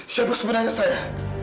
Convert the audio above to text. siapa sebenarnya saya